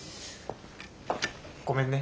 ごめんね。